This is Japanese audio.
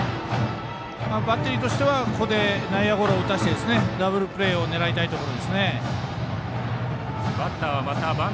バッテリーとしてはここで内野ゴロを打たせてダブルプレーを狙いたいところ。